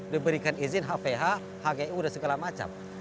diberikan izin hph hgu dan segala macam